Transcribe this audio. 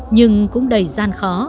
nhưng cũng đầy gian khó